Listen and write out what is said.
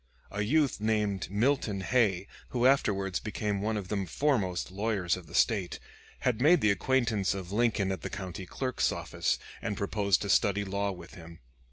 A youth named Milton Hay, who afterwards became one of the foremost lawyers of the State, had made the acquaintance of Lincoln at the County Clerk's office and proposed to study law with him.